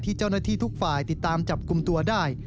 เจ้าหน้าที่ทุกฝ่ายติดตามจับกลุ่มตัวได้